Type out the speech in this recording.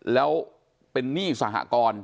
แล้วเป็นหนี้สหกร